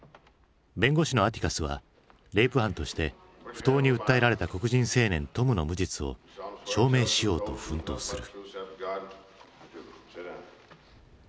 弁護士のアティカスはレイプ犯として不当に訴えられた黒人青年トムの無実を証明しようと奮闘する。